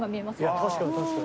確かに確かに。